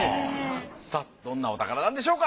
さあどんなお宝なんでしょうか。